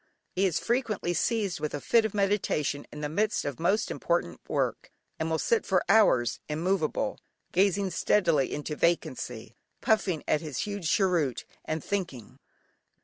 He is frequently seized with a fit of meditation in the midst of most important work, and will sit for hours, immovable, gazing steadily into vacancy, puffing at his huge cheroot, and thinking.